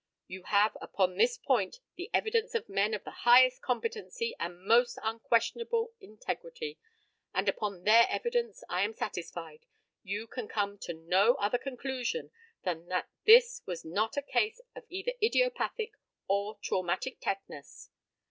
You have, upon this point, the evidence of men of the highest competency and most unquestionable integrity, and upon their evidence, I am satisfied, you can come to no other conclusion than that this was not a case of either idiopathic or traumatic tetanus.